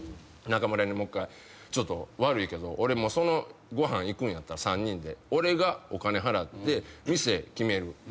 中村にもっかい「ちょっと悪いけど俺そのご飯行くんやったら３人で俺がお金払って店決める。